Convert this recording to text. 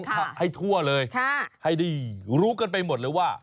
ให้ทั่วเลยให้ได้รู้กันไปหมดเลยว่า